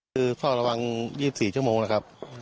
คือเฝ้าระวัง๒๔ชั่วโมงนะครับ